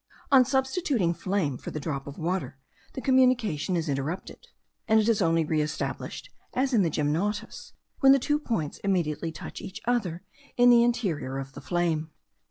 On substituting flame for the drop of water, the communication is interrupted, and is only re established, as in the gymnotus, when the two points immediately touch each other in the interior of the flame.